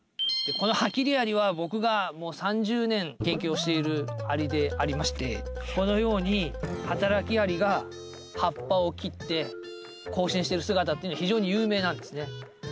このハキリアリは僕がもう３０年研究をしているアリでありましてこのように働きアリが葉っぱを切って行進してる姿っていうのは非常に有名なんですね。